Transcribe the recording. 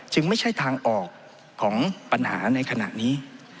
ไม่ใช่ทางออกของปัญหาในขณะนี้